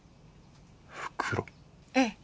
ええ。